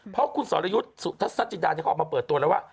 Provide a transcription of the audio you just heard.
เพราะว่าคุณศรีสุวรรณจัญญาจะออกมาเปิดตัวแล้วว่า